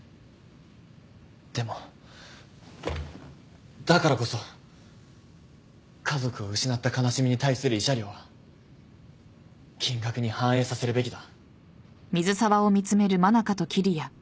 でもだからこそ家族を失った悲しみに対する慰謝料は金額に反映させるべきだ。